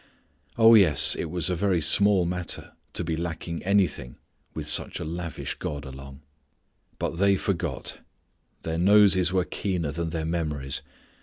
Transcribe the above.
Oh, yes it was a very small matter to be lacking anything with such a lavish God along. But they forgot. Their noses were keener than their memories.